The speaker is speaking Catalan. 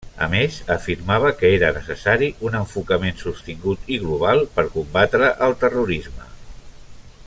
A més, afirmava que era necessari un enfocament sostingut i global per combatre el terrorisme.